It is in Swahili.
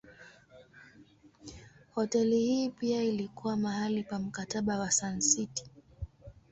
Hoteli hii pia ilikuwa mahali pa Mkataba wa Sun City.